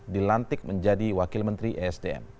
dilantik menjadi wakil menteri esdm